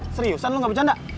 seriusan lo gak bercanda